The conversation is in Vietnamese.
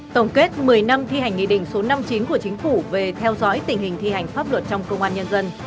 tổng kết một mươi năm thi hành nghị định số năm mươi chín của chính phủ về theo dõi tình hình thi hành pháp luật trong công an nhân dân